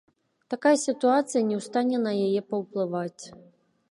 Такая сітуацыя, і не ў стане на яе паўплываць.